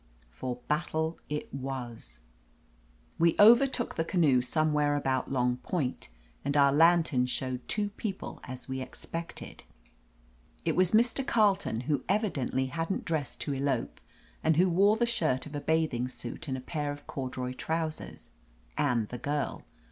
For battle it was. We overtook the canoe somewhere about 333 THE AMAZING ADVENTURES Long Point, and our lantern showed two peo « pie, as we expected. It was Mr. Carleton, who evidently hadn't dressed to elope, and who wore the shirt of a bathing suit and a pair of corduroy trousers, and the Girl.